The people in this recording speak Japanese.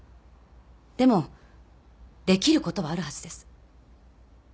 でもできることはあるはずです。